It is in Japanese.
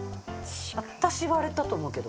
私はあれだと思うけど。